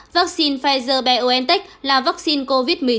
vaccine pfizer biontech là vaccine covid một mươi chín đầu tiên